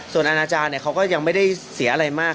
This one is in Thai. ส่วนอาณาจารย์เขาก็ยังไม่ได้เสียอะไรมาก